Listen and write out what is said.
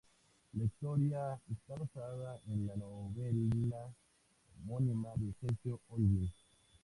La historia está basada en la novela homónima de Sergio Olguín.